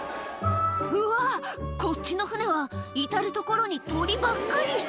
うわー、こっちの船は、至る所に鳥ばっかり。